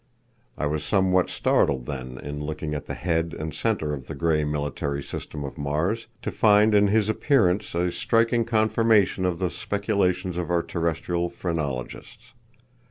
I was somewhat startled, then, in looking at the head and centre of the great military system of Mars, to find in his appearance a striking confirmation of the speculations of our terrestrial phrenologists.